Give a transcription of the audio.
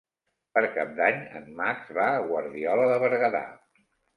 Per Cap d'Any en Max va a Guardiola de Berguedà.